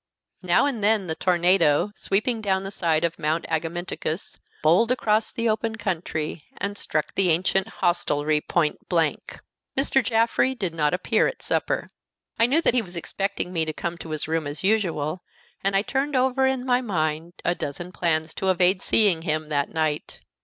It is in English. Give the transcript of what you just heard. Now and then the tornado, sweeping down the side of Mount Agamenticus, bowled across the open country, and struck the ancient hostelry point blank. Mr. Jaffrey did not appear at supper. I knew that he was expecting me to come to his room as usual, and I turned over in my mind a dozen plans to evade seeing him that night.